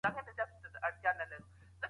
موږ ولاړ یو